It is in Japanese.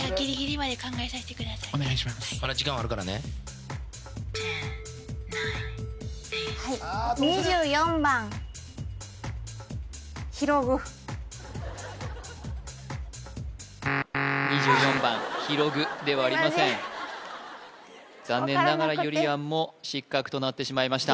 まだ時間はあるからねはい２４番ひろぐではありませんすいません残念ながらゆりやんも失格となってしまいました